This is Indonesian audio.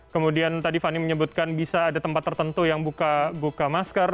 kemudian tadi fani menyebutkan bisa ada tempat tertentu yang buka masker